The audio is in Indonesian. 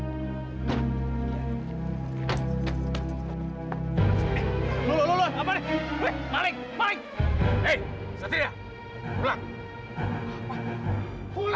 jangan jangan jangan